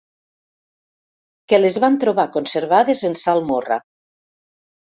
Que les van trobar conservades en salmorra.